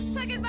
aku ketikin ya